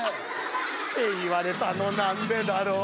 「って言われたのなんでだろう」